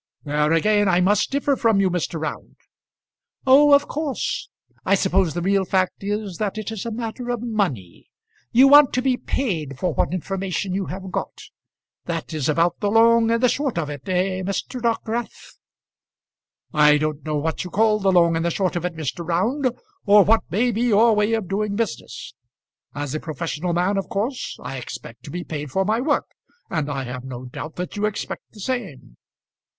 "There again, I must differ from you, Mr. Round." "Oh, of course! I suppose the real fact is, that it is a matter of money. You want to be paid for what information you have got. That is about the long and the short of it; eh, Mr. Dockwrath?" "I don't know what you call the long and the short of it, Mr. Round; or what may be your way of doing business. As a professional man, of course I expect to be paid for my work; and I have no doubt that you expect the same."